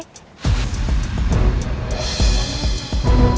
sampai jumpa lagi